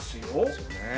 そうね。